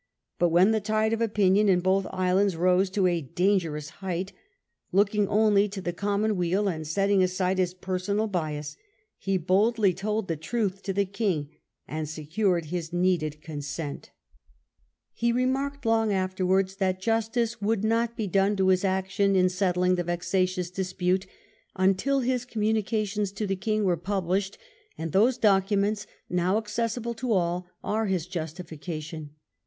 But when the N tide of opinion in both islands rose to a dangerous ^ height, looking only to the common weal and setting aside his personal bias, he boldly told the truth to the ^\« 1 King and secured his needed consent. He remarked "^ X THE DUKE PRIME MINISTER 237 long afterwards, that justice would not be done to his action in settling the vexatious dispute until his com munications to the Ejng were published; and those documents, now accessible to all, are his justification.